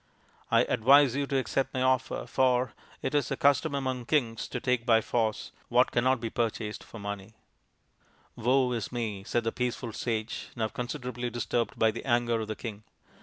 I advise you to accept my offer, for it is a custom among kings SABALA, THE SACRED COW 207 to take by force what cannot be purchased for money." " Woe is me !" said the peaceful sage, now con siderably disturbed by the anger of the king.